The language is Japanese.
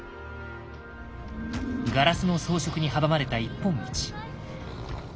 ガラスの装飾に阻まれた一本道。